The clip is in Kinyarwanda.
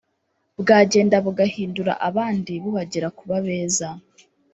bwagenda bugahindura abandi bubagira kuba beza